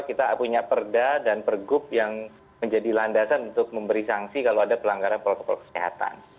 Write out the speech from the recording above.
kita punya perda dan pergub yang menjadi landasan untuk memberi sanksi kalau ada pelanggaran protokol kesehatan